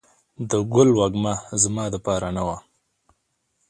د ګل وږمه زما دپار نه وه